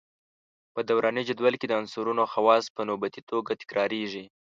په دوراني جدول کې د عنصرونو خواص په نوبتي توګه تکراریږي.